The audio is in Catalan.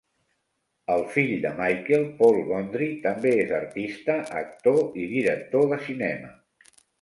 El fill de Michel, Paul Gondry, també és artista, actor i director de cinema.